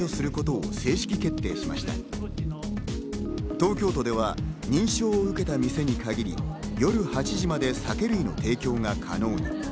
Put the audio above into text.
東京都では認証が受けた店に限り、夜８時まで酒類の提供が可能に。